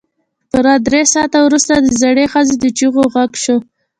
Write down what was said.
پوره درې ساعته وروسته د زړې ښځې د چيغو غږ شو.